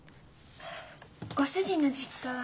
ご主人の実家は。